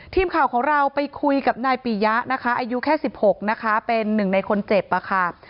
ทีมข่าวของเราไปคุยกับนายปียะนะคะอายุแค่๑๖นะคะเป็นหนึ่งในคนเจ็บอะค่ะ